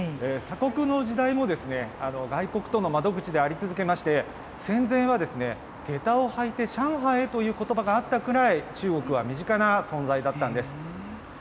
鎖国の時代も外国との窓口であり続けまして、戦前はげたを履いて上海へということばがあったぐらい中国は身近な存在だったんです。